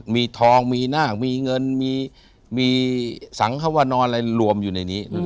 มีทองมีนาคมีเงินมีสังฮวนอะไรรวมอยู่ในนี้